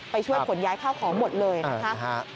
ไปช่วยขนย้ายข้าวของหมดเลยนะคะ